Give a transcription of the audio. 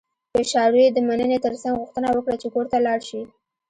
په اشارو يې د مننې ترڅنګ غوښتنه وکړه چې کور ته لاړ شي.